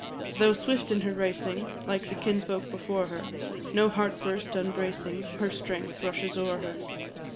Though swift in her racing, Like the kinsfolk before her, No heart burst, unbracing Her strength, rushes o'er her.